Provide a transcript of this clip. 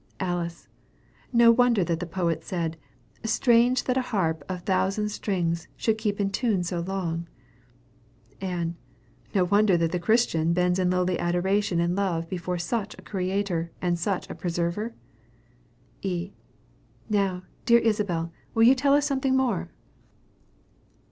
Alice. No wonder that a poet said "Strange that a harp of thousand strings Should keep in tune so long!" Ann. And no wonder that the Christian bends in lowly adoration and love before such a Creator, and such a Preserver? E. Now, dear Isabel, will you tell us something more?